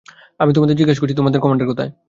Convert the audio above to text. আমি তোমাদের জিজ্ঞাসা করছি, তোমাদের কমান্ডার কোথায়?